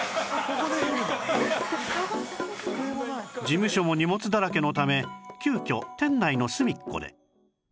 事務所も荷物だらけのため急きょ店内の隅っこで